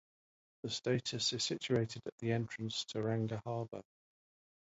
The status is situated at the entrance to Tauranga Harbour.